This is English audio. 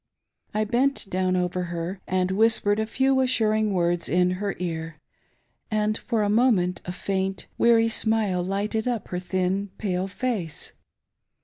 I bent down over her and whispered a few assuring words in her ear, and for a moment a faint, weary smile lighted up her thin, pale face.